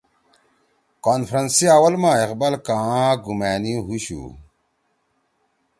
کانفرنس سی اول ما اقبال کآں گُمأنی ہُوشُو